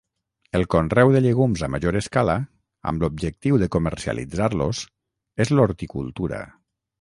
El conreu de llegums a major escala, amb l'objectiu de comercialitzar-los, és l'horticultura.